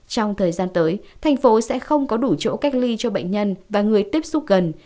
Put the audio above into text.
trong thời gian tới thành phố sẽ không có đủ chỗ cách ly cho bệnh nhân và người tiếp xúc gần